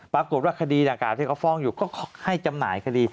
ปรากฏว่าคดีดังกล่าที่เขาฟ้องอยู่ก็ให้จำหน่ายคดี